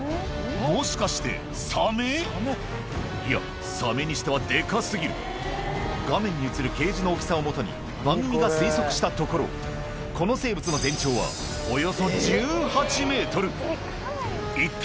もしかしてサメ？いやサメにしてはデカ過ぎる画面に映るケージの大きさをもとに番組が推測したところこの生物の一体この恐らくこれは。